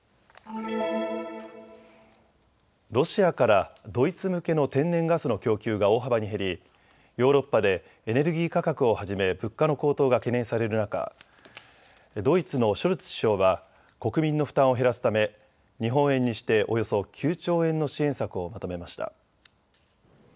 ロシアからドイツ向けの天然ガスの供給が大幅に減りヨーロッパでエネルギー価格をはじめ物価の高騰が懸念される中、ドイツのショルツ首相は国民の負担を減らすため日本円にしておよそ９兆円の支援策をまとめました。